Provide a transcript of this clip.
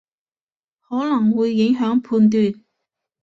可能會影響判斷